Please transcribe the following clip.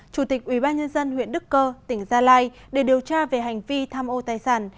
chủ tịch ubnd huyện đức cơ tỉnh gia lai để điều tra về hành vi tham ô tài sản